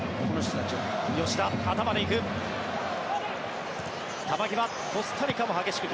吉田、頭で行く。